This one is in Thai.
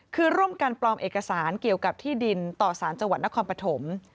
คือร่วมกันปลอมเอกสารเกี่ยวกับที่ดินต่อสารจังหวัดนครปฐม